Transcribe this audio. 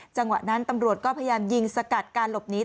จังหวะนั้นตำรวจก็พยายามยิงสกัดการหลบหนี